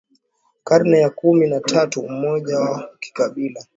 karne ya kumi na tatu Umoja wa kikabila wa